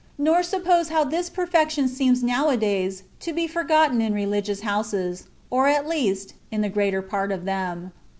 nor suppose how this perfection seems now a days to be forgotten in religious houses, or at least, in the greater part of them.